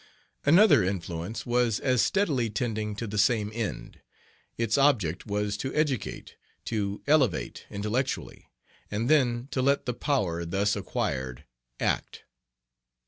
Another influence was as steadily tending to the same end. Its object was to educate, to elevate intellectually, and then to let the power thus acquired act.